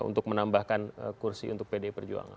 untuk menambahkan kursi untuk pdi perjuangan